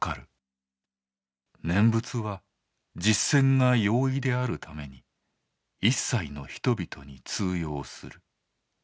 念仏は実践が容易であるために一切の人々に通用する。